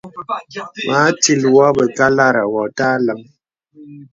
Mà atil wô be kālārá wô tà alàŋ.